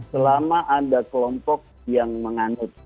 selama ada kelompok yang menganut